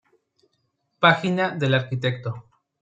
Página del arquitecto